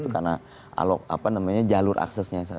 karena jalur aksesnya